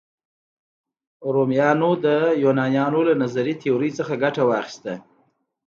رومیانو د یونانیانو له نظري تیوري څخه ګټه واخیسته.